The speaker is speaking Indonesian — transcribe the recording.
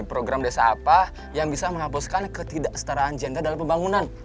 program desa apa yang bisa menghapuskan ketidaksetaraan gender dalam pembangunan